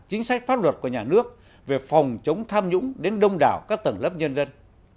chính sách pháp luật của nhà nước về phòng chống tham nhũng đến đông đảo các tầng lớp nhân dân